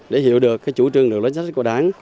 để hiểu được cái chủ trương đường lối sách của đáng